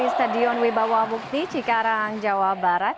stadion wibawa bukti cikarang jawa barat